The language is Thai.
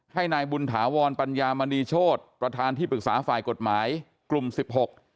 ให้นายบุญถาวรปัญญามณีโชธประธานที่ปรึกษาฝ่ายกฎหมายกลุ่มสิบหก